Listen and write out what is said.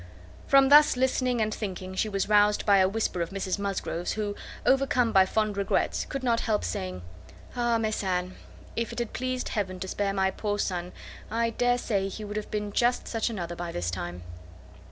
From thus listening and thinking, she was roused by a whisper of Mrs Musgrove's who, overcome by fond regrets, could not help saying— "Ah! Miss Anne, if it had pleased Heaven to spare my poor son, I dare say he would have been just such another by this time."